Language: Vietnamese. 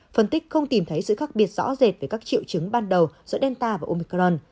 phân tích không tìm thấy sự khác biệt rõ rệt về các triệu chứng ban đầu giữa delta và omicron